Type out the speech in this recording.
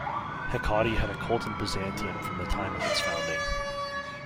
Hecate had a cult in Byzantium from the time of its founding.